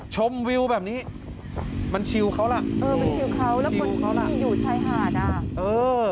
ชมวิวแบบนี้มันชิลเขาล่ะเออมันชิลเขาแล้วคนเขาล่ะอยู่ชายหาดอ่ะเออ